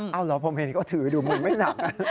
อ้าวเหรอผมเห็นเขาถือดูมันไม่หนัก